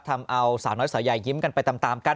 ทำเอาสาวน้อยสาวใหญ่ยิ้มกันไปตามกัน